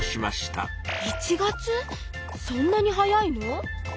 そんなに早いの？